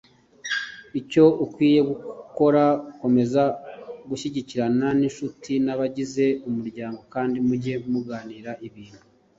Icyo ukwiriye gukora Komeza gushyikirana n incuti n abagize umuryango kandi mujye muganira ibintu